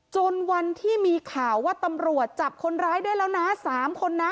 จนวันที่มีข่าวว่าตำรวจจับคนร้ายได้แล้วนะ๓คนนะ